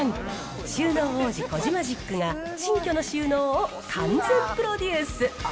収納王子、コジマジックが新居の収納を完全プロデュース。